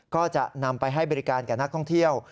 ก็จะนำไปให้บริการกับนักท่องเที่ยว